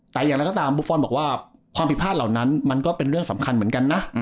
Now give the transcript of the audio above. แต่อย่างไรก็ตามบุฟฟอลบอกว่าความผิดพลาดเหล่านั้นมันก็เป็นเรื่องสำคัญเหมือนกันนะ